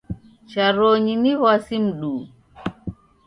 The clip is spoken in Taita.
Chafronyi ni w'asi mduhu.